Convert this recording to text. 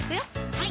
はい